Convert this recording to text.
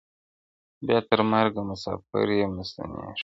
بیا تر مرګه مساپر یم نه ستنېږم٫